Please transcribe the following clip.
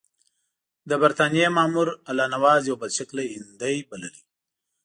د برټانیې مامور الله نواز یو بدشکله هندی بللی.